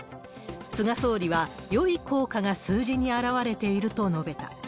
菅総理は、よい効果が数字に表れていると述べた。